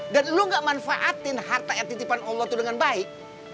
dan lo nggak manfaatin harta yang titipan allah tuh dengan baik